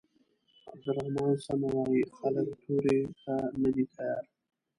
عبدالرحمن سمه وايي خلک تورې ته نه دي تيار.